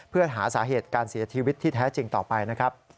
เพื่อหาสาเหตุการเสียชีวิตที่แท้จริงต่อไปนะครับ